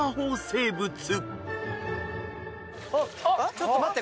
ちょっと待って。